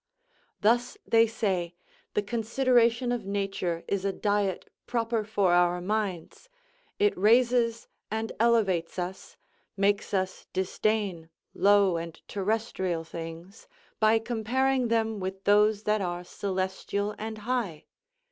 Thus they say: "The consideration of nature is a diet proper for our minds, it raises and elevates us, makes us disdain low and terrestrial things, by comparing them with those that are celestial and high.